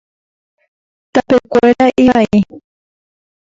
Tapekuéra ivai.